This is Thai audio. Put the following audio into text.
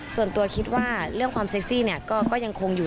ส่วนตัวคิดว่าเรื่องความเซ็กซี่เนี่ยก็ยังคงอยู่